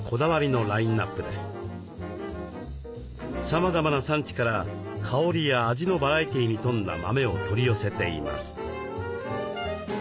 さまざまな産地から香りや味のバラエティーに富んだ豆を取り寄せています。